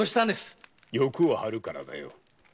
⁉欲を張るからだよ。